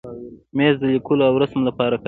مېز د لیکلو او رسم لپاره کارېږي.